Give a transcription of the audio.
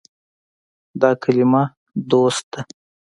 دا کلمه “دوست” ده.